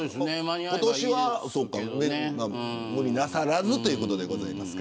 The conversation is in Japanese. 今年は無理なさらずということです。